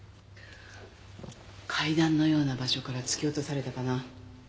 階段のような場所から突き落とされたかな。